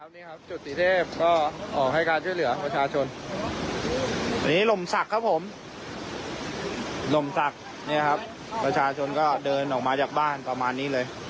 ดูน้ำฝั่งนี้ครับอันนี้เราจะเดินเข้าไป